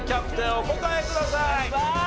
お答えください。